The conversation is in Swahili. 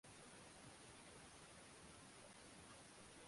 majenerali wakamtimua kutoka madarakani Mwaka mmoja baadae chama